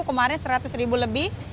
kemarin seratus ribu lebih